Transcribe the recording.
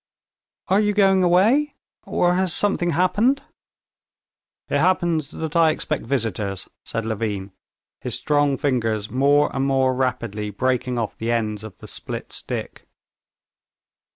"Are you going away, or has something happened?" "It happens that I expect visitors," said Levin, his strong fingers more and more rapidly breaking off the ends of the split stick.